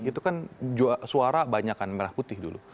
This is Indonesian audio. itu kan suara banyakan merah putih dulu